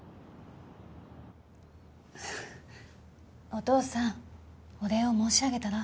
お父さんお礼を申し上げたら？